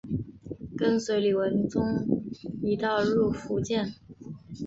跟随李文忠一道入福建。